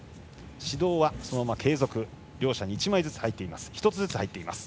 指導はそのまま継続し、両者に１つずつ入っています。